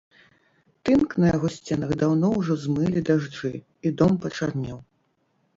Тынк на яго сценах даўно ўжо змылі дажджы, і дом пачарнеў.